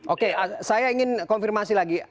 oke saya ingin konfirmasi lagi